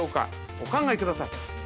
お考えください。